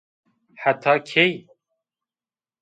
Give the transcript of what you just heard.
Heta key?